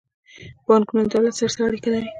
بانکونه د دولت سره څه اړیکه لري؟